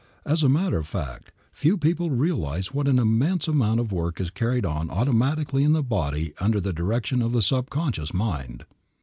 As a matter of fact, few people realize what an immense amount of work is carried on automatically in the body under the direction of the subconscious mind.